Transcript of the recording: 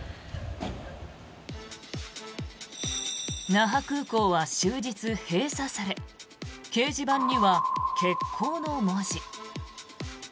那覇空港は終日閉鎖され掲示板には欠航の文字。